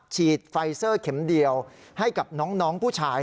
ฉีดไฟเซอร์เข็มเดียวให้กับน้องผู้ชาย